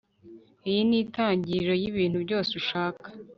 iyi ni intangiriro y'ibintu byose ushaka